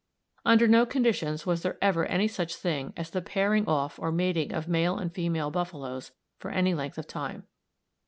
Under no conditions was there ever any such thing as the pairing off or mating of male and female buffaloes for any length of time.